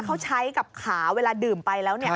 เขาใช้กับขาเวลาดื่มไปแล้วเนี่ย